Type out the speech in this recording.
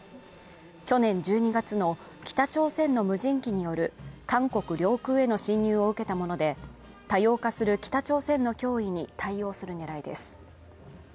去年１２月の北朝鮮の無人機による韓国領空への侵入を受けたもので多様化する北朝鮮の脅威に対応する狙いです。